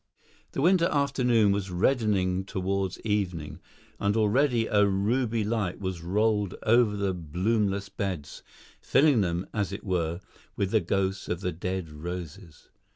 The winter afternoon was reddening towards evening, and already a ruby light was rolled over the bloomless beds, filling them, as it were, with the ghosts of the dead roses.